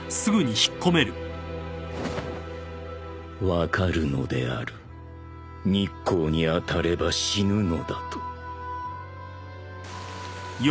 ［分かるのである日光に当たれば死ぬのだと］